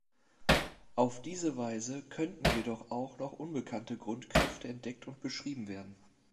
Auf diese Weise könnten jedoch auch noch unbekannte Grundkräfte entdeckt und beschrieben werden.